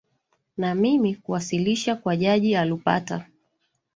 na mimi kuwasilisha kwa jaji alupata